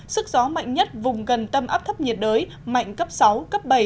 sức gió mạnh nhất vùng gần tâm áp thấp nhiệt đới mạnh cấp sáu cấp bảy